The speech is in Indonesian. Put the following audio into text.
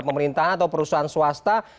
pemerintahan atau perusahaan swasta